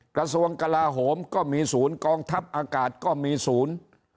กระทรวงกลาโหมก็มีศูนย์กองทัพอากาศก็มีศูนย์